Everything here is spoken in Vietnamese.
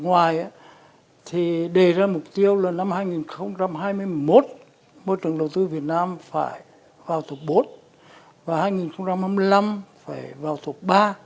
ngoài thì đề ra mục tiêu là năm hai nghìn hai mươi một môi trường đầu tư việt nam phải vào thuộc bốn và hai nghìn hai mươi năm phải vào thuộc ba